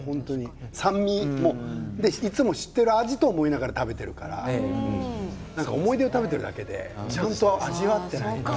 酸味でいつも知っている味と思って食べているから思い出を食べているだけでちゃんと味わっていない。